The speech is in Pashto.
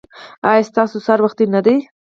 ایا ستاسو سهار وختي نه دی؟